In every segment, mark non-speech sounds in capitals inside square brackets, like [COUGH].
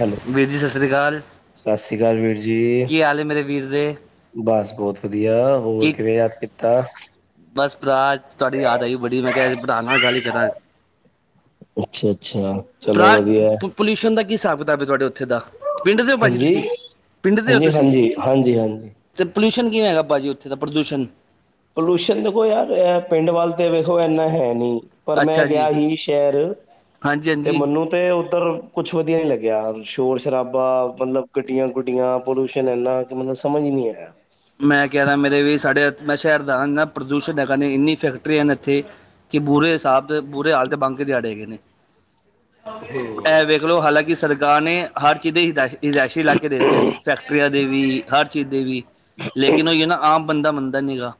Hello ਵੀਰ ਜੀ ਸਤਿ ਸ਼੍ਰੀ ਅਕਾਲ। ਸਤਿ ਸ਼੍ਰੀ ਅਕਾਲ ਵੀਰ ਜੀ। ਕੀ ਹਾਲੇ ਮੇਰੇ ਵੀਰ? ਦੇ ਬਸ ਬੋਤ ਵਧੀਆ। ਹੋਰ ਕੀ ਕਿਵੇਂ ਯਾਦ ਕੀਤਾ? ਬਸ ਭਰਾ ਤਾਡੀ ਯਾਦ ਆਈ ਬੜੀ ਮੈਂ ਕੇਆ ਭਰਾ ਨਾਲ ਗੱਲ ਈ ਕਰਾਂ। ਅੱਛਾ ਅੱਛਾ ਚਲੋ ਵਧੀਆ ਐ। ਪੋਲਊਸ਼ਨ ਦਾ ਕੀ ਹਿਸਾਬ ਕਿਤਾਬ ਏ ਤਾਡੇ ਓਥ ਥੇ ਦਾ। ਪਿੰਡ ਦੇ ਓ ਭਾਜੀ ਹਾਂਜੀ ਤੁਸੀ ਪਿੰਡ ਦੇ ਓ ਹਾਂਜੀ ਤੁਸੀ? ਹਾਂਜੀ ਹਾਂਜੀ ਹਾਂਜੀ ਤੇ ਪੋਲਿਊਸ਼ਨ ਕਿਵੇਂ ਹੈਗਾ ਭਾਜੀ ਓਥੇ ਦਾ ਪ੍ਰਦੂਸ਼ਣ? ਪੋਲਿਊਸ਼ਨ ਦੇਖੋ ਯਾਰ ਐ ਪਿੰਡ ਵੱਲ ਤੇ ਵੇਖੋ ਏਨਾ ਹੈ ਨੀ। ਪਰ ਮੈਂ ਅੱਛਾ ਜੀ ਗੇਆ ਹੀ ਸੈ਼ਰ, ਹਾਂਜੀ ਤੇ ਹਾਂਜੀ ਮੈਨੂੰ ਤੇ ਓਧਰ ਕੁਛ ਵਧੀਆ ਨੀ ਲਗੇਆ ਸ਼ੋਰ ਸ਼ਰਾਬਾ ਮਲਬ ਗੱਡੀਆਂ ਗੁੱਡੀਆਂ ਪੋਲਿਊਸ਼ਨ ਐਨਾ ਮਤਲਬ ਸਮਝ ਈ ਨੀ ਆਏਆ। ਮੈਂ ਕੈ ਰਾ ਮੇਰੇ ਵੀਰ ਸਾਡੇ ਐ ਮੈਂ ਸੈ਼ਰ ਦਾ ਐਨਾ ਪ੍ਰਦੂਸ਼ਨ ਹੈਗਾ ਨਾ ਏਨੀ ਫੈਕਟਰੀਆਂ ਨੇ ਏਥੇ। ਕਿ ਬੁਰੇ ਸਾਬ ਦੇ ਬੁਰੇ ਹਾਲ ਤੇ ਬਾੰਕੇ ਦਿਆੜੇ ਹੈਗੇ ਨੇ। ਹਮ ਐ ਦੇਖ ਲੋ ਹਾਲਾਂਕਿ ਸਰਕਾਰ ਨੇ ਹਰ ਚੀਜ ਦੇ ਹਿਦਾਇਸ਼ ਹਿਦੲਇਸ਼ੀ ਲਾਕੇ ਦੇ ਤੇ ਨੇ ਫੈਕਟਰੀਆਂ ਦੇ ਵੀ ਹਰ ਚੀਜ ਦੇ ਵੀ। ਲੇਕਿਨ ਓਈ ਏ ਨਾ ਆਮ ਬੰਦਾ ਮੰਨਦਾ ਨੀ ਹੈਗਾ।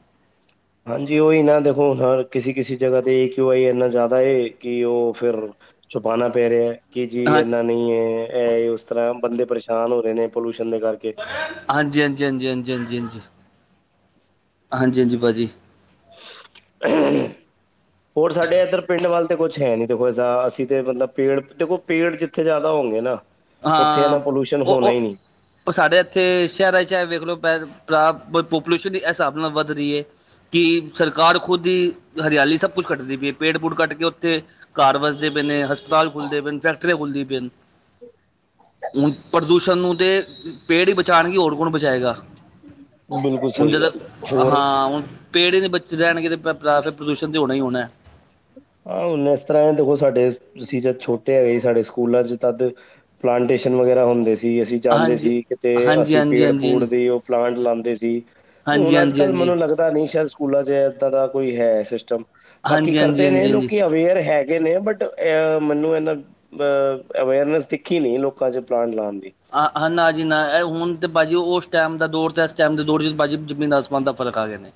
ਹਾਂਜੀ। ਓਈ ਨਾ ਦੇਖੋ ਹ ਕਿਸੀ ਕਿਸੀ ਜਗਾ ਤੇ ਕਿਊ ਆਈ ਏਨਾ ਜਾਦਾ ਏ ਕਿ ਓ ਫਿਰ ਛੁਪਾਨਾ ਪੈ ਰੇਆ ਐ। ਕਿ ਜੀ ਹਾਂ ਏਨਾ ਨਈ ਐ। ਐ ਏ ੳਸ ਤਰਾਂ ਏ। ਬੰਦੇ ਪ੍ਰੇਸ਼ਾਨ ਹੋ ਰੇ ਨੇ ਪੋਲੂਸ਼ਨ ਦੇ ਕਰ ਹਾਂਜੀ ਹਾਂਜੀ ਹਾਂਜੀ ਹਾਂਜੀ ਹਾਂਜੀ ਹਾਂਜੀ। ਹਾਂਜੀ ਹਾਂਜੀ ਭਾਜੀ। [UNINTELLIGIBLE] ਹੋਰ ਸਾਡੇ ਏਦਰ ਪਿੰਡ ਵੱਲ ਤੇ ਕੁਛ ਹੈ ਨੀ ਦੇਖੋ ਜ਼ ਅਸੀ ਤੇ ਮਤਲਬ ਪੇੜ ਦੇਖੋ ਪੇੜ ਜਿੱਥੇ ਜਾਦਾ ਹੋਂਗੇ ਨਾ, ਓਥੇ ਏਨਾ ਪੋਲਿਊਸ਼ਨ ਹੋਨਾ ਈ ਨੀ। ਓ ਸਾਡੇ ਏਥੇ ਸੈ਼ਰਾਂ ਚ ਐ ਵੇਖ ਲਓ ਪੈ ਪਰਾ ਪੋਪੂਲੇਸ਼ਨ ਐ ਸਾਬ ਨਾਲ ਵੱਧ ਰੀ ਏ। ਕਿ ਸਰਕਾਰ ਖੁਦ ਈ ਹਰਿਆਲੀ ਸਭ ਕੁਛ ਕਟਦੀ ਪਈ ਏ। ਪੇੜ ਪੂੜ ਕੱਟ ਕੇ ਓਥੇ ਘਰ ਵਸਦੇ ਪੇ ਨੇ, ਹਸਪਤਾਲ ਖੁੱਲਦੇ ਪੇ ਨੇ, ਫੈਕਟਰੀਆਂ ਖੁੱਲਦੀ ਪਈ ਨ। ਹੁਣ ਪ੍ਰਦੂਸ਼ਣ ਨੂੰ ਤੇ ਪੇੜ ਈ ਬਚਾਣਗੇ ਹੋਰ ਕੌਣ ਬਚਾਏਗਾ? ਬਿਲਕੁਲ ਹੁਣ ਸਹੀ ਜਦੋਂ ਗੱਲ ਹੈ ਹੋਰ ਹਾਂ ਹੁਣ। ਪੇੜ ਈ ਨੀ ਬੱਚੇ ਰੈਣਗੇ ਤੇ ਪਰ ਭਰਾ ਫੇਰ ਪ੍ਰਦੂਸ਼ਣ ਤੇ ਹੋਣਾ ਈ ਹੋਣੈ। ਆ। ਹੁਣ ਏਸ ਤਰਾਂ ਐ ਦੇਖੋ ਸਾਡੇ ਸੀ ਜਦ ਛੋਟੇ ਹੈਗੇ ਸੀ ਸਾਡੇ ਸਕੂਲਾਂ ਚ ਤਦ ਪਲਾਂਟੇਸ਼ਨ ਵਗੈਰਾ ਹੁੰਦੇ ਸੀ। ਅਸੀਂ ਜਾਂਦੇ ਹਾਂਜੀ ਸੀ ਕਿਤੇ ਹਾਂਜੀ ਅਸੀਂ ਹਾਂਜੀ ਪੇੜ ਹਾਂਜੀ ਪੂੜ ਦੀ ਉਹ। ਪਲਾਂਟ ਲਾਉਂਦੇ ਸੀ ਹਾਂਜੀ ਹਾਂਜੀ ਹੁਣ ਅੱਜ ਹਾਂਜੀ ਕੱਲ ਹਾਂਜੀ ਮੈਨੂੰ ਲੱਗ ਦਾ ਨਹੀਂ ਸ਼ਾਇਦ ਸਕੂਲਾਂ 'ਚ ਏਦਾਂ ਦਾ ਕੋਈ ਹੈ ਸਿਸਟਮ ਬਾਕੀ। ਹਾਂਜੀ ਹਾਂਜੀ ਹਾਂਜੀ ਨੇ ਹਾਂਜੀ ਲੋਕੀ ਅਵੇਅਰ ਹੈਗੇ ਨੇ ਬਟ ਅਹ ਮੈਨੂੰ ਇਹਨਾ। ਅ ਅਵੇਅਰਨੈਸ ਦਿਖੀ ਨੀ ਲੋਕਾਂ 'ਚ ਪਲਾਂਟ ਲਾਉਣ ਦੀ। ਹਾਂ! ਨਾ ਜੀ ਨਾ ਇਹ ਹੁਣ ਤਾਂ ਭਾਜੀ ਉਸ ਟਾਈਮ ਦਾ ਦੌਰ ਅਤੇ ਇਸ ਟਾਈਮ ਦੇ ਦੌਰ 'ਚ ਭਾਜੀ ਜ਼ਮੀਨ ਆਸਮਾਨ ਦਾ ਫ਼ਰਕ ਆ ਗਿਆ ਨੇ।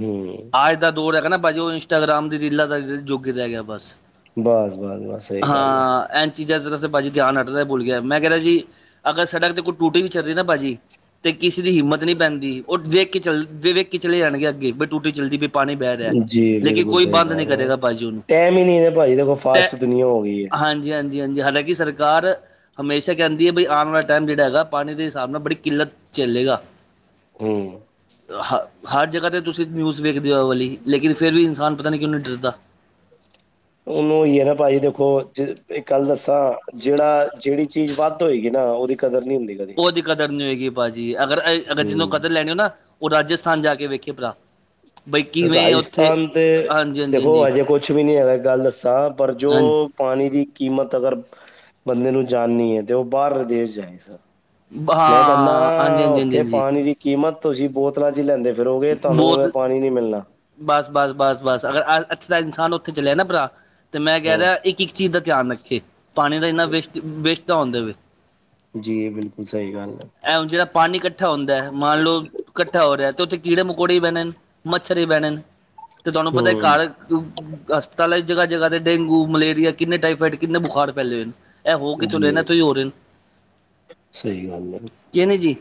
ਹੂੰ! ਅੱਜ ਦਾ ਦੌਰ ਹੈਗਾ ਨਾ ਭਾਜੀ ਉਹ ਇੰਸਟਾਗਰਾਮ ਦੀ ਰੀਲਾਂ ਦਾ ਯ ਜੁੱਗ ਰਹਿ ਗਿਆ ਬਸ। ਬਸ! ਬਸ! ਬਸ! ਸਹੀ ਗੱਲ ਹੈ। ਐਨ ਚੀਜ਼ਾਂ ਦਾ ਤਾਂ ਵੈਸੇ ਭਾਜੀ ਧਿਆਨ ਹੱਟਦਾ ਭੁੱਲ ਗਿਆ ਮੈਂ ਕਹਿਣਾ ਜੀ। ਅਗਰ ਸੜਕ ਤੇ ਕੋਈ ਟੂਟੀ ਵੀ ਚੱਲਦੀ ਨਾ ਭਾਜੀ ਤੇ ਕਿਸੇ ਦੀ ਹਿੰਮਤ ਨਹੀਂ ਪੈਂਦੀ ਉਹ ਵੇਖ ਕੇ ਚੱਲ ਵ ਵੇਖ। ਕੇ ਚਲੇ ਜਾਣਗੇ ਅੱਗੇ ਬਈ ਟੂਟੀ ਚੱਲਦੀ ਪਈ। ਪਾਣੀ ਬਹਿ ਰਿਹਾ ਜੀ ਲੇਕਿਨ ਬਿਲਕੁਲ ਕੋਈ ਸਹੀ ਬੰਦ ਨਹੀਂ ਗੱਲ ਹੈ ਕਰੇਗਾ ਭਾਜੀ ਉਹਨੂੰ ਟਾਈਮ ਹੀ ਨਹੀਂ ਨੇ ਭਾਜੀ ਦੇਖੋ ਤੇ। ਫਾਸਟ ਦੁਨੀਆਂ ਹੋ ਗਈ ਹੈ ਹਾਂਜੀ! ਹਾਂਜੀ! ਹਾਂਜੀ! ਹਾਲਾਂਕਿ ਸਰਕਾਰ ਹਮੇਸ਼ਾ ਕਹਿੰਦੀ। ਦੀ ਵੀ ਆਉਣ ਵਾਲਾ ਟਾਈਮ ਜਿਹੜਾ ਹੈਗਾ ਪਾਣੀ ਦੇ ਹਿਸਾਬ ਨਾਲ ਬੜੀ ਕਿੱਲਤ ਚੱਲੇਗਾ। ਹੂੰ! ਹ ਹਰ ਜਗ੍ਹਾ 'ਤੇ ਤੁਸੀਂ ਨਿਊਜ਼ ਵੇਖਦੇ ਹੋ ਇਹ ਵਾਲੀ ਲੇਕਿਨ ਫਿਰ ਵੀ ਇਨਸਾਨ ਪਤਾ ਨਹੀਂ ਕਿਉਂ ਨਹੀਂ ਡਰਦਾ। ਉਹਨੂੰ ਉਹੀ ਹੈ ਨਾ ਭਾਜੀ ਦੇਖੋ ਜੇ ਇੱਕ ਗੱਲ ਦੱਸਾਂ ਜਿਹੜਾ ਜਿਹੜੀ ਚੀਜ਼ ਵੱਧ ਹੋਏਗੀ ਨਾ ਉਹਦੀ। ਕਦਰ ਨਹੀਂ ਹੁੰਦੀ ਕਦੀ। ਉਹਦੀ ਕਦਰ ਨਹੀਂ ਹੋਏਗੀ ਭਾਅਜੀ ਅਗਰ। ਅਗਰ ਜਿਹਨੂੰ ਹੂੰ। ਕਦਰ ਲੈਣੀ ਹੋ ਨਾ ਉਹ ਰਾਜਸਥਾਨ ਜਾ ਕੇ ਵੇਖੇ ਭਲਾ। ਰਾਜਸਥਾਨ ਤੇ ਹਾਂਜੀ ਦੇਖੋ ਹਾਂਜੀ ਹਜੇ ਕੁਛ ਵੀ ਨਹੀਂ ਹੈਗਾ। ਇੱਕ ਗੱਲ ਦੱਸਾਂ ਪਰ ਜੋ। ਹਾਂਜੀ ਪਾਣੀ ਦੀ ਕੀਮਤ ਅਗਰ ਬੰਦੇ ਨੂੰ ਜਾਨਣੀ ਹੈ ਤਾਂ ਉਹ ਬਾਹਰਲੇ ਦੇਸ਼ ਜਾਏਗਾ। ਮੈਂ ਕਹਿਣਾ ਹਾਂ ਹਾਂਜੀ ਹਾਂਜੀ ਹਾਂਜੀ ਉੱਥੇ ਹਾਂਜੀ ਪਾਣੀ ਦੀ। ਕੀਮਤ ਤੁਸੀਂ ਬੋਤਲਾਂ 'ਚ ਲੈਂਦੇ ਫਿਰੋਗੇ ਤੁਹਾਨੂੰ ਬਹੁਤ ਉਵੇਂ ਪਾਣੀ ਨੀ ਮਿਲਣਾ। ਬਸ! ਬਸ! ਬਸ! ਬਸ! ਅਗਰ ਅੱਛਾ ਇਨਸਾਨ ਉੱਥੇ ਚੱਲਿਆ ਨਾ ਭਰਾ ਤੇ ਮੈਂ ਕਹਿ ਹੂੰ। ਰਿਹਾ ਇੱਕ ਇੱਕ। ਚੀਜ਼ ਦਾ ਧਿਆਨ ਰੱਖੇ ਪਾਣੀ ਦਾ ਇੰਨਾ ਵੇਸਟ ਵੇਸਟ ਨਾ ਹੋਣ ਦੇਵੇ। ਜੀ! ਇਹ ਬਿਲਕੁਲ ਸਹੀ ਗੱਲ ਹੈ। ਐ ਹੁਣ ਜਿਹੜਾ ਪਾਣੀ ਇਕੱਠਾ ਹੁੰਦਾ ਮੰਨ ਲਉ ਇਕੱਠਾ ਹੋ ਰਿਹਾ ਤੇ ਉੱਥੇ ਕੀੜੇ- ਮਕੌੜੇ ਹੀ ਬਹਿਣੇ ਨੇ। ਮੱਛਰ ਹੀ ਬਹਿਣੇ ਨੇ ਤੇ ਤੁਹਾਨੂੰ ਪਤਾ ਹੂੰ, ਹੈ। ਹਸਪਤਾਲਾਂ ਜਗ੍ਹਾ ਜਗ੍ਹਾ ਤੇ ਡੇਂਗੂ- ਮਲੇਰੀਆ ਕਿੰਨੇ ਟਾਈਫੋਈਡ ਕਿੰਨੇ ਬੁਖ਼ਾਰ ਫੈਲੇ ਹੋਏ ਨੇ। ਇਹ ਹੋ ਕਿੱਥੋਂ ਰਹੇ ਨੇ ਜੀ ਇਹਨਾਂ ਤੋਂ ਹੀ ਰਹੇ ਨੇ। ਸਹੀ ਗੱਲ ਹੈ! ਕਿ ਨਹੀਂ ਜੀ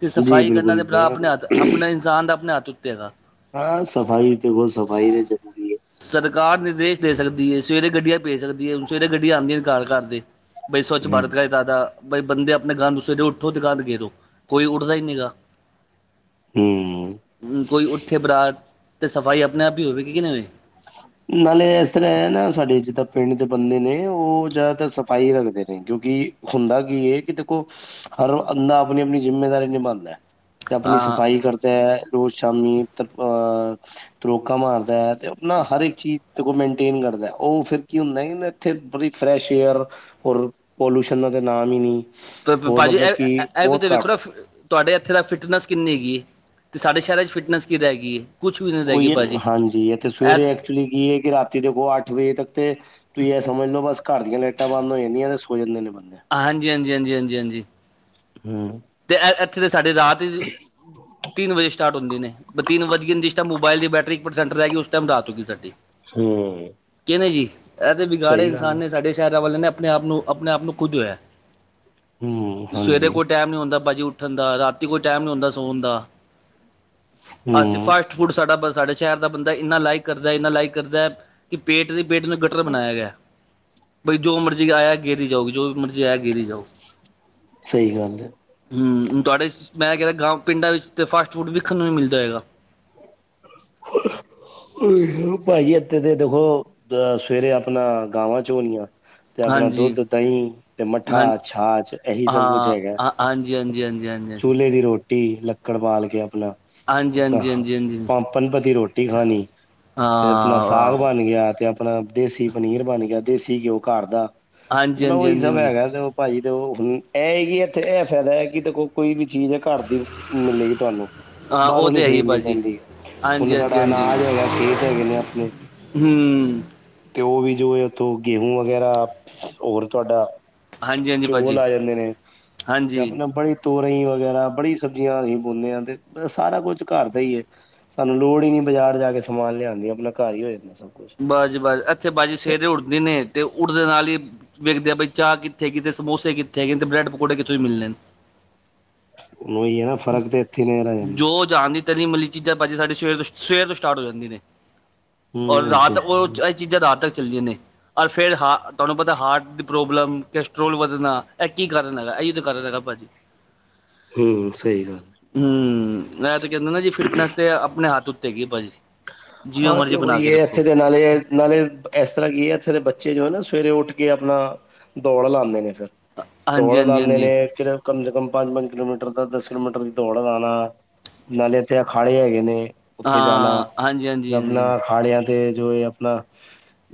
ਤੇ ਜੀ ਸਫ਼ਾਈ ਕਰਨਾ ਤੇ ਭਰਾ ਆਪਣੇ ਹੱਥ ਬਿਲਕੁਲ ਆਪਣਾ ਇਨਸਾਨ ਦਾ ਆਪਣੇ ਹੱਥ ਉੱਤੇ ਹੈਗਾ। ਹਾਂ! ਸਫ਼ਾਈ ਤੇ ਬਹੁਤ ਸਫ਼ਾਈ ਤੇ ਜ਼ਰੂਰੀ ਹੈ। ਸਰਕਾਰ ਨਿਰਦੇਸ਼ ਦੇ ਸਕਦੀ ਹੈ। ਸਵੇਰੇ ਗੱਡੀਆਂ ਭੇਜ ਸਕਦੀ ਹੈ। ਹੁਣ ਸਵੇਰੇ ਗੱਡੀਆਂ ਆਉਂਦੀਆਂ ਘਰ ਘਰ ਤੇ। ਬਾਈ ਸਵੱਛ ਹੈ। ਭਾਰਤ ਇਹਨਾਂ ਦਾ ਬਾਈ ਬੰਦੇ ਆਪਣੇ ਗੰਦ ਦੂਸਰੇ ਦੇ। ਤੋਂ ਦੁਕਾਨ ਤੇ ਗਏ ਦੋ ਕੋਈ ਉੱਠਦਾ ਹੀ ਨਹੀਂ ਗਾ। ਹੂੰ! ਹੂੰ! ਕੋਈ ਉੱਠੇ ਭਰਾ ਤੇ ਸਫ਼ਾਈ ਆਪਣੇ ਆਪ ਹੀ ਹੋਵੇਗੀ ਕਿ ਨਹੀਂ ਹੋਵੇਗੀ। ਅੱਛਾ! ਨਾਲੇ ਇਸ ਤਰ੍ਹਾਂ ਹੈ ਨਾ ਸਾਡੇ ਜਿੱਦਾਂ ਪਿੰਡ ਦੇ ਬੰਦੇ ਨੇ ਉਹ ਜ਼ਿਆਦਾਤਰ ਸਫ਼ਾਈ ਰੱਖਦੇ ਨੇ ਕਿਉਂਕਿ। ਹੁੰਦਾ ਕੀ ਇਹ ਕਿ ਦੇਖੋ ਹਰ ਬੰਦਾ ਆਪਣੀ ਆਪਣੀ ਜ਼ਿੰਮੇਵਾਰੀ ਨਿਭਾਉਂਦਾ। ਤੇ ਆਪਣੀ ਹਾਂ ਸਫ਼ਾਈ ਕਰਦਾ ਹੈ। ਰੋਜ਼ ਸ਼ਾਮੀ ਤ ਅਹ ਤਰੋਕਾਂ ਮਾਰਦਾ ਹੈ ਤੇ। ਨਾ ਹਰ ਇੱਕ ਚੀਜ਼ ਦੇਖੋ ਮੇਨਟੇਨ ਕਰਦਾ ਉਹ ਫਿਰ ਕੀ ਹੁੰਦਾ ਇੱਥੇ ਬੜੀ ਫਰੈਸ਼ ਏਅਰ। ਹੋਰ ਪੋਲੂਸ਼ਨਾ ਦਾ ਤਾਂ ਨਾਮ ਈ ਨਈ। ਪਾਜੀ ਏਹ- ਏਹ ਵੀ ਤਾਂ ਵੇਖੋ ਨਾ ਤੁਹਾਡੇ ਇਥੇ ਦਾ ਫਿਟਨੈਸ ਕਿੰਨੀ ਹੈਗੀ ਏ, ਤੇ ਸਾਡੇ ਸ਼ੈਰਾ 'ਚ ਫਿਟਨੈਸ ਕੀ ਰੈਗੀ ਏ ਓ, ਈ, ਐ, ਹਾਂਜੀ, ਏਥੇ ਸਵੇਰੇ ਐਕਚੁਲੀ ਕੀ ਆ ਕਿ ਰਾ ਏ ਦੇਖੋ ਅੱਠ ਵਜੇ ਤੱਕ ਤੇ ਤੁਸੀਂ ਏ ਸਮਝ ਲੋ ਬਸ ਘਰ ਦੀਆਂ ਲਾਈਟਾਂ ਬੰਦ ਹੋ ਜਾਂਦੀਆਂ, ਤੇ ਸੋ ਜਾਂਦੇ ਨੇ ਬੰਦੇ। ਹਾਂਜੀ, ਹਾਂਜੀ, ਹਾਂਜੀ, ਹਾਂਜੀ, ਹਾਂਜੀ ਹੂ ਤੇ, ਐ, ਐਥੇ ਤਾਂ ਸਾਡੇ ਰਾਤ ਈ ਤਿੰਨ ਵਜੇ ਸਟਾਰਟ ਹੁੰਦੀ ਨੇ। ਬਸ ਤਿੰਨ ਵਜ ਗਏ, ਜਿਸ ਟਾਈਮ ਮੋਬਾਈਲ ਦੀ ਬੈਟਰੀ ਏਕ ਪਰਸੈਂਟ ਰੈਹ ਗਈ, ਉਸ ਟਾਈਮ ਰਾਤ ਹੋ ਗਈ ਸਾਡੀ। ਹੂ ਕਿਨੇ ਜੀ, ਏ, ਤਾਂ ਵਿਗਾੜੇਆ ਇਨਸਾਨ ਨੇ ਸਾਡੇ ਸ਼ੈਰਾਂ ਵਾਲੇਆਂ ਨੇ, ਆਪਣੇ- ਆਪ ਨੂੰ ਆਪਣੇ -ਆਪ ਨੂੰ ਖੁਦ ਹੋਏਆ। ਹੂੰ, ਸਵੇਰੇ ਹਾਂਜੀ ਕੋਈ ਟਾਈਮ ਨਈ ਹੁੰਦਾ ਪਾਜੀ ਉੱਠਣ ਦਾ ਰਾਤ ਰਾਤੀ ਕੋਈ ਟਾਈਮ ਨਈ ਹੁੰਦਾ ਸੌਣ ਦਾ, ਅੱਛਾ ਹੂੰ, ਫਾਸਟ ਫੂਡ ਸਾਡਾ- ਸਾਡੇ ਸ਼ੈਰ ਦਾ ਬੰਦਾ ਏਨਾ ਲਾਈਕ ਕਰਦਾ- ਏਨਾ ਲਾਈਕ ਕਰਦਾ ਕਿ ਪੇਟ ਨਈ ਪੇਟ ਨੂੰ ਗਟਰ ਬਣਾਏਆ ਗੇਆ। ਬਾਈ ਜੋ ਮਰਜੀ ਆਏਆ ਗੇਰੀ ਜਾਓ, ਜੋ ਮਰਜੀ ਆਏਆ ਗੇਰੀ ਜਾਓ ਸਹੀ ਗੱਲ ਏ। ਹਮ ਤੁਹਾਡੇ ਮੈਂ ਕੇਹ ਗਾਂਵ, ਪਿੰਡਾਂ ਵਿੱਚ ਤਾਂ ਫਾਸਟ ਫੂਡ ਵੇਖਣ ਨੂੰ ਨਈ ਮਿਲਦਾ ਹੈਗਾ। ਹੋਰ [INAUDIBLE] ਪਾਜੀ ਏਥੇ ਤੇ ਦੇਖੋ ਅ ਸਵੇਰੇ ਆਪਣਾ ਗਾਵਾਂ ਚੋਨਿਆ ਤੇ ਆਪਣਾ ਹਾਂਜੀ ਦੁੱਧ, ਦਹੀਂ ਤੇ ਮੱਠਾ ਹਾਂ ਛਾਛ, ਏਹੀ ਸਭ ਕੁਛ ਹਾਂ ਹੈਗਾ। ਹਾਂ ਹਾਂਜੀ, ਹਾਂਜੀ, ਹਾਂਜੀ, ਹਾਂਜੀ, ਹਾਂਜੀ ਤੇ ਲੱਕੜ ਬਾਲ ਕੇ ਆਪਣਾ ਹਾਂਜੀ, ਹਾਂਜੀ, ਹਾਂਜੀ, ਹਾਂਜੀ। ਪੰਪਨਪਤੀ ਰੋਟੀ ਖਾਣੀ ਹਾਂ ਤੇ ਆਪਣਾ ਸਾਗ ਬਣ ਗੇਆ ਤੇ ਆਪਣਾ ਦੇਸੀ ਪਨੀਰ ਬਣ ਗੇਆ, ਦੇਸੀ ਘਿਓ ਘਰ ਦਾ ਤੇ ਹਾਂਜੀ ਮਤਲਬ ਹਾਂਜੀ ਹਾਂਜੀ ਉਹੀ ਸਭ ਹਾਂਜੀ ਹੈਗਾ ਤੇ ਪਾਜੀ ਤੇ, ਓ, ਹੁਣ ਏ, ਹੈ ਕਿ, ਏਥੇ ਏਹ ਫੈਦਾ ਹੈ ਕਿ ਦੇਖੋ ਕੋਈ ਵੀ ਚੀਜ਼ ਆ, ਘਰ ਦੀ ਮਿਲੇਗੀ ਤੁਹਾਨੂੰ ਹਾਂ ਉਹ ਬਾਹਰੋਂ ਨੀ ਤੇ ਹੈ ਹੀ ਖਰੀਦਣੀ ਭਾਜੀ ਪੈਂਦੀ, ਹੁਣ ਹਾਂਜੀ ਹਾਂਜੀ ਸਾਡਾ ਹਾਂਜੀ ਆਨਾਜ ਹੈਗਾ ਖੇਤ ਹੈਗੇ ਨੇ ਆਪਣੇ ਹੂੰ ਤੇ ਓ ਵੀ ਜੋ ਓਥੋਂ ਗੇਹੂ ਵਗੈਰਾ ਹੋਰ ਤਾਡਾ ਹਾਂਜੀ ਹਾਂਜੀ ਚੋਲ ਭਾਜੀ ਆ ਜਾਂਦੇ ਨੇ, ਤੇ ਹਾਂਜੀ ਆਪਣਾ ਬੜੀ ਤੋਰੀ ਈ ਵਗੈਰਾ, ਬੜੀ ਸਬਜ਼ੀਆਂ ਅਸੀਂ ਓਗਾਉਂਦੇ ਆ ਤੇ ਸਾਰਾ ਕੁੱਝ ਘਰ ਏ, ਸਾਨੂੰ ਲੋੜ ਈ, ਨੀ ਬਾਜ਼ਾਰ ਜਾ ਕੇ ਸਮਾਨ ਲਿਆਂਦੀ ਆਪਣਾ ਘਰ ਹੀ ਹੋ ਜਾਂਦਾ ਸਭ ਕੁਛ। ਬਾਸ ਜੀ ਬਾਸ, ਏਥੇ ਬਾਸ ਜੀ ਸਵੇਰੇ ਉੱਡਦੇ ਨੇ, ਤੇ ਉੱਠਦੇ ਨਾਲ ਈ ਵੇਖਦੇ ਆ ਬਈ ਚਾਹ ਕਿੱਥੇ ਹੈ, ਤੇ ਸਮੋਸੇ ਕਿੱਥੇ ਹੈਗੇ ਨੇ, ਤੇ ਬ੍ਰੈਡ ਪਕੌੜੇ ਕਿੱਥੇ ਮਿਲਣੇ ਨੇ ਉਹੀ ਹੈ ਨਾ ਫ਼ਰਕ ਤੇ ਇੱਥੇ ਨਹੀਂ ਰਹਿ ਜਾਂਦਾ ਜੋ ਜਹਾਣ ਦੀ ਤਲੀ- ਮਲੀ ਚੀਜ਼ਾਂ ਪਾਜੀ ਸਾਡੇ ਸਵੇਰ -ਸਵੇਰ ਤੋਂ ਸਟਾਟ ਹੋ ਜਾਂਦੀਆ ਨੇ। ਔਰ ਹੂੰ ਇਹ ਤੇ ਰਾਤ ਹੈ ਓ, ਏ ਚੀਜ਼ਾਂ ਰਾਤ ਤੱਕ ਚੱਲਦੀਆਂ ਨੇ, ਔਰ ਫੇਰ ਹ ਤਾਨੂੰ ਪਤਾ ਹਾਰਟ ਪ੍ਰੋਬਲਮ ਕੈਸਟਰੋਲ ਵਧੱਣਾ, ਏ ਕੀ ਕਾਰਨ ਹੈਗਾ, ਏਹੀ ਤਾਂ ਕਾਰਨ ਹੈਗਾ ਪਾਜੀ। ਹਮ ਸਹੀ ਗੱਲ, ਹਮ ਮੈਂ ਤੇ ਕੇਂਦਾ ਨਾ ਜੀ, ਫਿਟਨੈਸ ਤੇ ਆਪਣੇ ਹੱਥ ਉੱਤੇ ਹੈਗੀ ਪਾਜੀ। ਜੀਵੇ ਹਾਂ ਤੇ ਮਰਜ਼ੀ ਬਣਾ ਉਹੀ ਕੇ ਹੈ ਦੇਖੋ। ਇੱਥੇ ਦੇ ਨਾਲੇ- ਨਾਲੇ ਇਸ ਤਰ੍ਹਾਂ ਕੀ ਹੈ ਇੱਥੇ ਦੇ ਬੱਚੇ ਜੋ ਹੈ ਨਾ ਸਵੇਰੇ ਉੱਠ ਕੇ ਆਪਣਾ ਦੌੜ ਲਾਂਦੇ ਨੇ ਫੇਰ, ਹਾਂਜੀ ਦੌੜ ਹਾਂਜੀ ਲਾਂਦੇ ਨੇ ਹਾਂਜੀ ਫੇਰ ਕਮ ਸੇ ਕਮ ਪੰਜ -ਪੰਜ ਕਿਲੋਮੀਟਰ ਦਾ ਦਸ ਕਿਲੋਮੀਟਰ ਦੀ ਦੌੜ ਲਾਣਾ ਨਾਲੇ ਤੇ ਅਖਾੜੇ ਹੈਗੇ ਨੇ। ਉੱਥੇ ਜਾਣਾ ਹਾਂ, ਹਾਂਜੀ, ਹਾਂਜੀ, ਹਾਂਜੀ। ਆਪਣਾ ਅਖਾੜਿਆਂ ਤੇ ਜੋ ਏਹ ਅਪਣਾ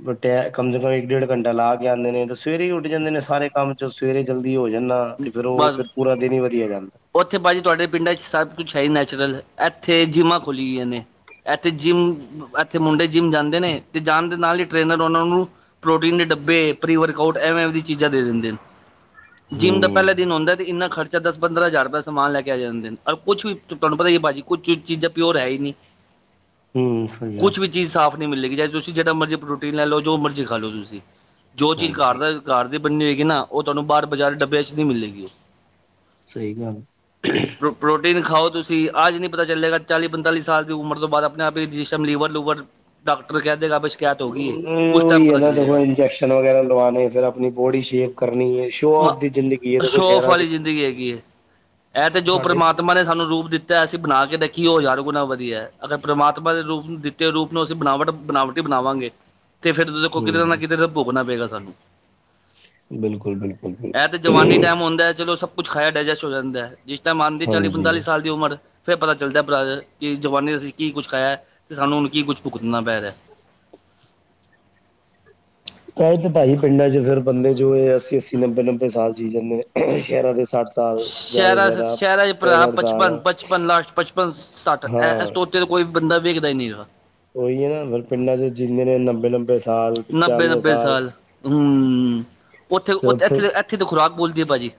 ਬਟ ਐ ਕਮ ਸੇ ਕਮ ਇੱਕ-ਡੇਢ ਘੰਟਾ ਲਾ ਕੇ ਆੰਦੇ ਨੇ, ਤੇ ਸਵੇਰੇ ਈ ਉਡ ਜਾਂਦੇ ਨੇ ਸਾਰੇ ਕੰਮ 'ਚੋ ਸਵੇਰੇ ਜਲਦੀ ਹੋ ਜਾਣ ਨਾ ਰਾਤੀ ਫੇਰ ਓਹ ਫੇਰ ਪੂਰਾ ਦਿਨ ਈ ਵਧੀਆ ਜਾਂਦ ਓਥੇ ਭਾਜੀ ਤੁਆਡੇ ਪਿੰਡਾਂ 'ਚ ਸਭ ਕੁਛ ਹੈ ਈ ਨੈਚੁਰਲ, ਐਥੇ ਜਿੰਮਾਂ ਖੋਲ ਗੀਆਂ ਨੇ। ਐਤੇ ਜਿੰਮ ਐਥੇ ਮੁੰਡੇ ਜਿੰਮ ਜਾਂਦੇ ਨੇ ਤੇ ਜਾਣ ਦੇ ਨਾਲ ਈ ਟ੍ਰੇਨਰ ਓਨਾਂ ਨੂੰ ਪ੍ਰੋਟੀਨ ਦੇ ਡੱਬੇ ਪ੍ਰੀ ਵਰਕਆਊਟ ਐਵੇ-ਐਵੇ ਦੀ ਚੀਜ਼ਾਂ ਦੇ ਦੇੰਦੇ ਨੇ। ਜਿੰਮ ਦਾ ਪੈਲਾ ਹੂੰ ਦਿਨ ਹੋੰਦੈ ਤੇ ਇੰਨਾ ਖਰ ਦਸ ਪੰਦਰਾਂ ਹਜ਼ਾਰ ਰੁਪਇਆ ਦਾ ਸਮਾਨ ਲੈ ਕੇ ਆ ਜਾਂਦੇ ਨੇ। ਔਰ ਕੁਛ ਵੀ ਤੁਐਨੂੰ ਪਤਾ ਈ ਏ ਭਾਜੀ ਕੁਛ ਚੂ ਚੀਜ਼ਾਂ ਪਿਓਰ ਹੈ ਈ ਨੀ। ਹੂੰ, ਸਹੀ ਗੱਲ। ਚੀਜ਼ ਸਾਫ਼ ਨੀ ਮਿਲੇਗੀ, ਚਾਏ ਤੁਸੀਂ ਜੇੜਾ ਮਰਜ਼ੀ ਪ੍ਰੋਟੀਨ ਲੈ ਲੋ ਜੋ ਮਰਜ਼ੀ ਖਾ ਲੋ ਤੁਸੀਂ। ਜੋ ਚੀਜ਼ ਹਾਂਜੀ, ਘਰਦਾ ਘਰ ਦੀ ਬਨੀ ਹੋਏਗੀ ਨਾ ਓਹ ਤੁਐਨੂੰ ਬਾਰ ਬਾਜ਼ਾਰੀ ਡੱਬਿਆਂ ਚ ਨੀ ਮਿਲੇਗੀ। ਸਹੀ ਗੱਲ। ਪ੍ਰੋ-ਪ੍ਰੋਟੀਨ ਖਾਓ ਤੁਸੀਂ, ਆਜ ਨ੍ਹੀਂ ਪਤਾ ਚੱਲੇਗਾ ਚਾਲੀ-ਪੰਤਾਲੀ ਸਾਲ ਦੀ ਉਮਰ ਤੋਂ ਬਾਦ ਆਪਣੇ ਆਪ ਈ ਜਿਸ ਟੈਮ ਲੀਵਰ-ਲੂਵਰ ਡਾਕਟਰ ਕੈ ਦੇਗਾ ਬ ਅ ਓਈ ਏ ਨਾ ਦੇਖੋ ਇੰਜੈਕਸ਼ਨ ਵਗੈਰਾ ਲਵਾਣੇ ਫੇਰ ਆਪਣੀ ਬੋਡੀ ਸ਼ੇਪ ਕਰਨੀ ਸ਼ੋ ਹਾਂ, ਆਫ ਦੀ ਜ਼ਿੰਦਗੀ ਹੈ ਦੇਖੋ ਸ਼ੋ-ਔਫ਼ ਸ਼ਹਿਰਾਂ ਦੀ ਵਾਲੀ ਜ਼ਿੰਦਗੀ ਹੈਗੀ ਏ, ਐ ਤੇ ਜੋ ਸਾਡੇ ਪਰਮਾਤਮਾ ਨੇ ਸਾਨੂੰ ਰੂਪ ਦਿੱ ਤੈ ਅਸੀਂ ਬਣਾ ਕੇ ਦੇਖੀਏ ਓਹ ਹਜ਼ਾਰ ਗੁਣਾ ਵਧੀਐ। ਅਗਰ ਪ੍ਰਮਾਤਮਾ ਦੇ ਰੂਪ ਨੂੰ ਦਿੱਤੇ ਹੋਏ ਰੂਪ ਨੂੰ ਅਸੀਂ ਬਣਾਵਟ ਬਣਾਵਟੀ ਬਣਾਵਾਂਗੇ [INAUDIBLE] ਤੇ ਫਿਰ ਲੇਖੋ ਕਿਦਰੇ ਨਾ ਹੂੰ। ਕਿਦਰੇ ਤੇ ਭੋਗਣਾ ਪਏਗਾ ਸਾਨੂੰ। ਬਿਲਕੁਲ-ਬਿਲ ਐ ਤੇ ਜਵਾਨੀ ਟਾਈਮ ਹੁੰਦੈ ਚਲੋ ਸਭ ਕੁਛ ਖਾਇਆ ਡਾਇਜੈਸਟ ਹੋ ਜਾਂਦੈ। ਜਿਸ ਟਾਈਮ ਆਂਦੀ ਏ ਚਾਲੀ- ਹਾਂਜੀ। ਪੰਤਾਲੀ ਸਾਲ ਦੀ ਉਮਰ ਫੇਰ ਪਤਾ ਚੱਲਦੈ ਪਰਾ ਦ ਕਿ ਜਵਾਨੀ ਚ ਅਸੀਂ ਕੀ ਕੁਛ ਖਾਇਐ ਤੇ ਸਾਨੂੰ ਹੁਣ ਕੀ ਕੁਛ ਭੁਗਤਨਾ ਪੈ ਰਿਐ। ਤਾਂ ਈ ਤੇ ਭਾਜੀ ਪਿੰਡਾਂ ਚ ਫੇਰ ਬੰਦੇ ਜੋ ਏਹ ਅੱਸੀ-ਅੱਸੀ, ਨੱਬੇ-ਨੱਬੇ ਸਾਲ ਜੀ ਜਾਂਦੇ ਨੇ। ਸੈ਼ਰਾਂ ਦੇ ਸੱਠ ਸਾਲ ਜ਼ਿਆਦਾ ਤੋਂ ਸੈ਼ਰਾਂ ਚ ਜ਼ਿਆਦਾ ਸੈ਼ਰਾਂ ਚ ਭਰਾ ਪੈਂਸਠ ਸਾਲ ਪਚਪਨ-ਪਚਪਨ ਲਾਸਟ ਪਚਪਨ-ਸੱਠ ਐਸ ਹਾਂ। ਤੋਂ ਉ ਉਤੇ ਤੇ ਕੋਈ ਵੀ ਬੰਦਾ ਵੇਖਦਾ ਈ ਨੀ ਹੈਗਾ। ਉਈ ਏ ਨਾ ਫੇਰ ਪਿੰਡਾਂ ਚ ਜਿੰਦੇ ਨੇ ਨਬੇ-ਨਬ ਬੇਸਾਲ ਨੱਬੇ-ਨੱਬੇ ਸਾਲ, ਹੂੰ, ਓਥੇ ਤੇ ਓ ਉੱਥੇ ਐਥੇ ਤ ਐਥੇ ਤੇ ਖੁਰਾਕ ਬੋਲਦੀ ਏ ਭਾਜੀ।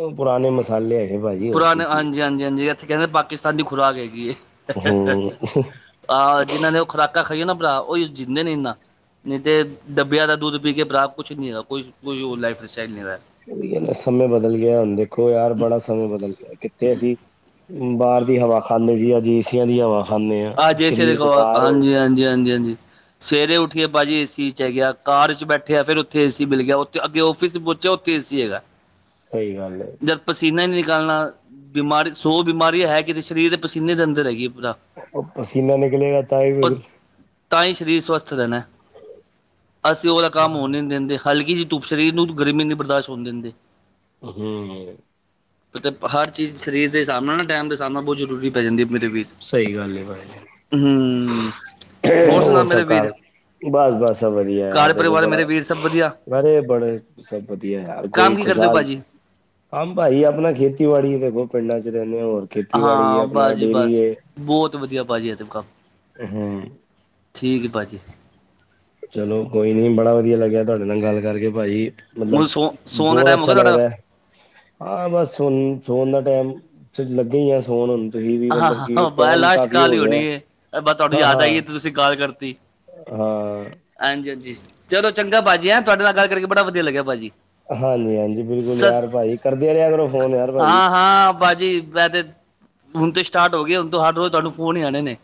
ਉਂ ਪੁਰਾਣੇ ਮਸਾਲੇ ਹੈਗੇ ਭਾਜੀ ਹੋਰ ਕੀ ਪੁਰਾਣੇ ਚੀਏ। ਹਾਂਜੀ ਹਾਂਜੀ ਹਾਂਜੀ, ਐਥੇ ਕੈੰਦੇ ਪਾਕਿਸਤਾਨ ਦੀ ਖੁਰਾਕ ਹੈਗੀ ਏ। ਹੂੰ। ਆਹ ਜਿੰਨ੍ਹਾਂ ਨੇ ਓਹ ਖੁਰਾਕਾਂ ਖਾਈਐ ਨਾ ਭਰਾ ਓਈਓ ਜਿੰਂਦੇ ਨੇ ਇਨਾ। ਨੀ ਤੇ ਡੱਬਿਆ ਦਾ ਦੁੱਧ ਪੀ ਕੇ ਭਰਾ ਕੁਛ ਨੀ ਹੈਗਾ। ਕੋਈ ਕੋਈ ਓਹ ਲਾਈਫ ਸਟਾਈਲ ਨੀ ਹੈਗਾ। ਉਹੀ ਏ ਨਾ ਸਮੇਂ ਬਦਲ ਗਿਆ ਹੁਣ ਦੇਖੋ ਯਾਰ ਬੜਾ ਸਮੇਂ ਬਦਲ ਗਿਆ, ਕਿੱਥੇ ਅਸੀਂ ਬਾਰ ਦੀ ਹਵਾ ਖਾਂਦੇ ਸੀ, ਅੱਜ ਏਸੀਆਂ ਦੀ ਹਵਾ ਖਾਂਦੇ ਆ ਆਜ ਏਸੀਆ ਦੀ ਸਰੀਰ ਬੇਕਾਰ ਹੋ ਗਏ ਖਵਾ--ਹਾਂਜੀ ਨੇ ਹਾਂਜੀ, ਹਾਂਜੀ ਹਾਂਜੀ। ਸਵੇਰੇ ਉੱਠ ਕੇ ਭਾਜੀ ਏ ਸੀ 'ਚ ਹੈਗੇ ਆ, ਕਾਰ ਚ ਬੈਠੇ ਐ ਫੇਰ ਉਥੇ ਏ ਸੀ ਮਿਲ ਗਿਆ। ਉੱਥੇ ਅੱਗੇ ਔਫਿਸ ਚ ਪਹੁੰਚਿਆ ਉੱਥੇ ਏ ਸੀ ਹੈਗਾ। ਸਹੀ ਗੱਲ ਏ। ਜਦ ਪਸੀਨਾ ਈ ਨੀ ਨਿਕਾਲਣਾ, ਬਿਮਾਰੀ ਸੌ ਬਿਮਾਰੀ ਹੈ ਕਿੱਦੇ ਚ ਸਰੀਰ ਦੇ ਪਸੀਨੇ ਦੇ ਅੰਦਰ ਹੈਗੀ ਏ ਭਰਾ। ਓਹ ਪਰਸੀਨਾ ਨਿਕਲੇਗਾ ਤਾਂ ਹੀ ਬਿਲਕੁਲ ਪਸ ਤਾ ਈ ਸਰੀਰ ਸਵਸਥ ਰੈਣੈ, ਅਸੀਂ ਓਹ ਵਾਲਾ ਕੰਮ ਹੋਣ ਈ ਨੀ ਦਿੰਦੇ। ਹਲਕਿ ਜੀ ਧੁੱਪ ਸਰੀਰ ਨੂੰ ਗਰਮੀ ਨੀ ਬਰਦਾਸ਼ ਹੋਣ ਦਿੰਦੇ। ਹੂੰ। ਐਤੇ ਹਰ ਚੀਜ਼ ਸਰੀਰ ਦੇ ਹਿਸਾਬ ਨਾਲ ਨਾ ਟਾਈਮ ਦੇ ਸਾਬ ਨਾਲ ਬੌਤ ਜ਼ਰੂਰੀ ਪੈ ਜਾਂਦੀ ਏ ਮੇਰੇ ਵੀਰ। ਸਹੀ ਗੱਲ ਏ ਭਾਜੀ। ਹੂ। ਹੋਰ ਸੁਣਾ ਸਭ ਮੇਰੇ ਵੀਰ। ਕਾਰ ਬਸ ਬਸ ਸਭ ਵਧੀਆ ਯਾਰ ਘਰ ਦੇਖੋ ਪਰਿਵਾਰ ਬੜਾ ਮੇਰੇ ਵੀਰ ਸਭ ਵਧੀਆ ਅਰੇ ਬੜੇ ਸਭ ਵਧੀਆ ਹੈ ਯ ਕੰਮ ਕੋਈ ਕੀ ਕਰਦੇ ਹੋ ਖੁਸ਼ਹਾਲ ਭਾਜੀ ਆਮ ਭਾਈ ਆਪਣਾ ਖੇਤੀਬਾੜੀ ਦੇਖੋ ਪਿੰਡਾਂ ਚ ਰਹਿੰਦੇ ਓ ਹੋਰ ਖੇਤੀਬਾੜੀ ਏ ਹਾਂ ਆਪਣਾ ਬਸ ਜੀ ਡੇਅਰੀ ਬਸ ਏ। ਬਹੁਤ ਵਧੀਆ ਭਾਜੀ ਆ ਤਕਾ ਹੂ। ਠੀਕ ਏ ਭਾਜੀ। ਚਲੋ ਕੋਈ ਨੀ ਬੜਾ ਵਧੀਆ ਲੱਗਿਆ ਤੁਹਾਡੇ ਨਾਲ ਗੱਲ ਕਰਕੇ ਭਾਜੀ। ਹੁਣ ਮਤਲਬ ਸੋ ਸੋਣ ਦਾ ਬਹੁਤ ਟਾਈਮ ਹੋ ਅੱਛਾ ਗਿਆ ਤੁਹਾਡਾ ਲੱਗਦਾ ਹੈ। ਹਾਂ ਬਸ ਸੋਣ ਦਾ ਟਾਈਮ ਚ ਲੱਗੇ ਹੀ ਆ ਸੌਣ ਹੁਣ। ਤੁਸੀਂ ਵੀ ਹਾਂ ਮਤਲਬ ਕੀ ਹਾਂ ਬਸ ਟੈਮ ਲਾਸਟ ਕਾਫੀ ਕਾਲ ਹੋ ਹੀ ਗਿਆ ਹੋਣੀ ਹੈ ਬਸ ਤੁਹਾਨੂੰ ਹਾਂ ਯਾਦ ਆਈ ਹਾਂ। ਹੈ ਤੇ ਤੁਸੀਂ ਗਾਲ ਕਰਤੀ। ਹਾਂ। ਹਾਂਜੀ, ਹਾਂਜੀ ਚਲੋ ਚੰਗਾ ਭਾਜੀ ਹੈਂ ਤੁਹਾਡੇ ਨਾਲ ਗੱਲ ਕਰਕੇ ਬੜਾ ਵਧੀਆ ਲੱਗਿਆ ਭਾਜੀ। ਹਾਂਜੀ, ਹਾਂਜੀ ਬਿਲਕੁਲ ਸਸ ਯਾਰ ਭਾਜੀ ਕਰਦੇ ਰਿਹਾ ਕਰੋ ਫੋਨ ਯਾਰ ਭਾਜੀ। ਹਾਂ ਹਾਂ ਭਾਜੀ ਵੈ ਤੇ ਹੁਣ ਤੇ ਸਟਾਰਟ ਹੋ ਗਏ ਹੁਣ ਹਰ ਰੋਜ਼ ਤੁਹਾਨੂੰ ਫੋਨ ਹੀ ਆਉਣੇ ਨੇ।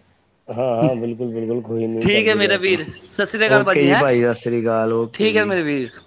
ਹਾਂ ਹਾਂ ਬਿਲਕੁਲ ਬਿਲਕੁਲ ਕੋਈ ਨੀ ਠੀਕ ਹੈ ਕਰਦੀ ਰਿਹਾ ਮੇਰੇ ਕਰੋ ਵੀਰ ਸਤਿ ਸ਼੍ਰੀ ਅਕਾਲ ਓਕੇ ਜੀ ਹੈਂ ਭਾਜੀ ਸਤਿ ਸ੍ਰੀ ਅਕਾਲ ਓ। ਠੀਕ ਹੈ ਮੇਰੇ ਵੀਰ।